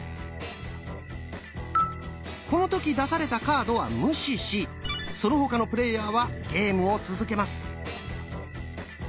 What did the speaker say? この時出されたカードは無視しその他のプレイヤーはゲームを続けます。